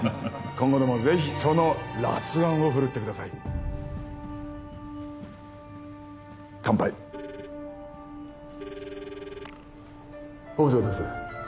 今後ともぜひその辣腕をふるってください乾杯宝条です